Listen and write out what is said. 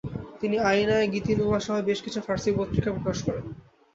তিনি আইনায়ে গীতিনুমা সহ বেশ কিছু ফার্সি পত্রিকা প্রকাশ করেন।